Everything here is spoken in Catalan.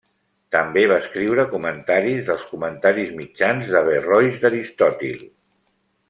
També va escriure comentaris dels comentaris mitjans d'Averrois d'Aristòtil.